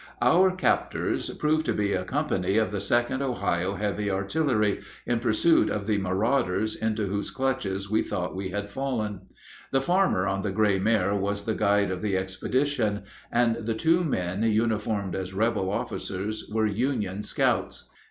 Our captors proved to be a company of the 2d Ohio Heavy Artillery, in pursuit of the marauders into whose clutches we thought we had fallen. The farmer on the gray mare was the guide of the expedition, and the two men uniformed as rebel officers were Union scouts.